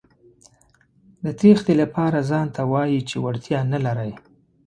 د تېښتې لپاره ځانته وايئ چې وړتیا نه لرئ.